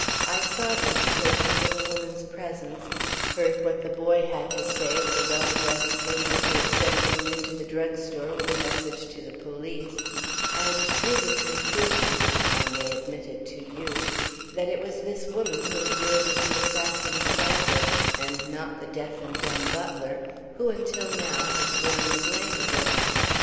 I saw these tokens of a woman's presence, heard what the boy had to say of the well dressed lady who had sent him into the drug store with a message to the police, and drew the conclusion I may admit it to you that it was this woman who had wielded the assassin's dagger, and not the deaf and dumb butler, who, until now, has borne the blame of it.